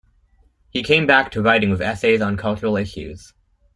He came back to writing with essays on cultural issues.